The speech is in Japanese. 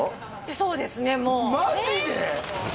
そうですねもうマジで！？